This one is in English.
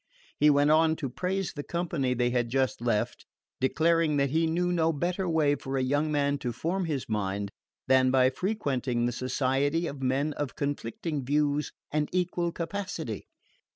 He went on to praise the company they had just left, declaring that he knew no better way for a young man to form his mind than by frequenting the society of men of conflicting views and equal capacity.